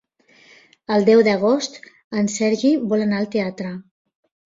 El deu d'agost en Sergi vol anar al teatre.